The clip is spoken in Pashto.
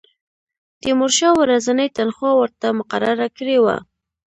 تیمورشاه ورځنۍ تنخوا ورته مقرره کړې وه.